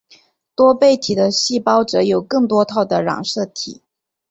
多倍体的细胞则有更多套的染色体。